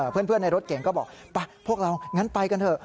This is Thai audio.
เพื่อนในรถเก่งก็บอกพวกเรางั้นไปกันเถอะ